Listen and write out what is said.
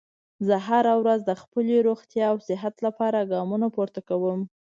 زه هره ورځ د خپلې روغتیا او صحت لپاره ګامونه پورته کوم